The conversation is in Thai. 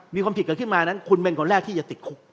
มีความผิดเกิดขึ้นมานั้นคุณเป็นคนแรกที่จะติดคุก